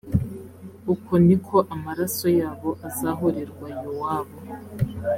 uko ni ko amaraso yabo azahorerwa yowabu